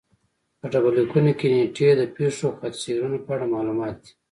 په ډبرلیکونو کې نېټې د پېښو خط سیرونو په اړه معلومات دي